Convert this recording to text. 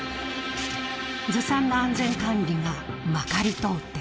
ずさんな安全管理がまかり通っていた。